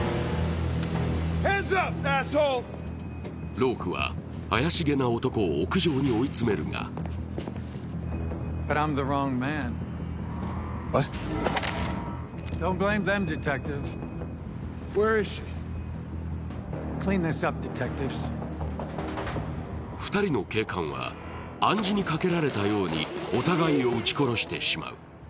ロークは怪しげな男を屋上に追い詰めるが２人の警官は暗示にかけられたようにお互いを撃ち殺してしまう。